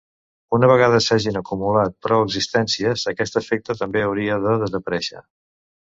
Una vegada s’hagin acumulat prou existències, aquest efecte també hauria de desaparèixer.